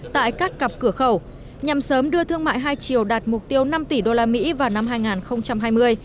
tại các cặp cửa khẩu nhằm sớm đưa thương mại hai chiều đạt mục tiêu năm tỷ usd vào năm hai nghìn hai mươi